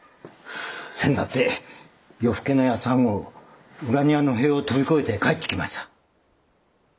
せんだって夜更けの八ツ半頃裏庭の塀を飛び越えて帰ってきました。